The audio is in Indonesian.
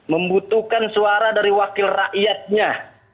membutuhkan suara dari wakil rakyatnya